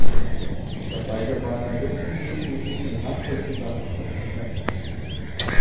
Das dabei gewonnene Wissen hielten sie in nachvollziehbaren Schritten fest.